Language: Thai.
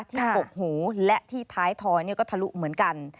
กกหูและที่ท้ายทอยก็ทะลุเหมือนกัน